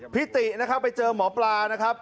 ตินะครับไปเจอหมอปลานะครับ